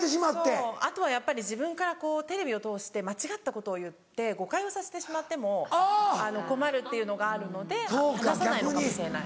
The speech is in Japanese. そうあとはやっぱり自分からこうテレビを通して間違ったことを言って誤解をさせてしまっても困るっていうのがあるので話さないのかもしれない。